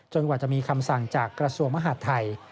กว่าจะมีคำสั่งจากกระทรวงมหาดไทย